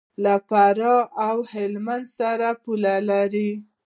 له فراه او هلمند سره پوله لري.